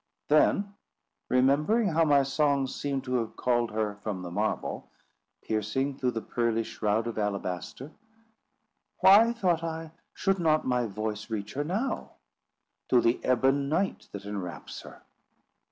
Then, remembering how my songs seemed to have called her from the marble, piercing through the pearly shroud of alabaster—"Why," thought I, "should not my voice reach her now, through the ebon night that inwraps her."